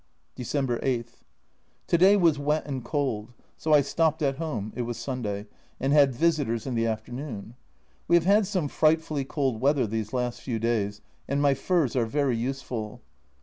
December 8. To day was wet and cold, so I stopped at home (it was Sunday) and had visitors in the afternoon. We have had some frightfully cold weather these last few days, and my furs are very useful.